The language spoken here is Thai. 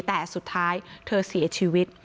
แต่สุดท้ายเธอเสียชีวิต